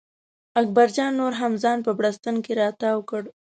اکبر جان نور هم ځان په بړسټن کې را تاو کړ.